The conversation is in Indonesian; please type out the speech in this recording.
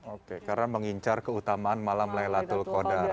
oke karena mengincar keutamaan malam laylatul qadar